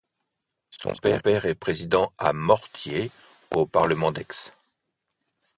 Son père est président à mortier au Parlement d'Aix.